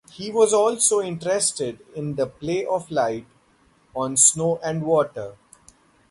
He was also interested in the play of light on snow and water.